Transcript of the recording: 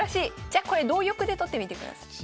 じゃこれ同玉で取ってみてください。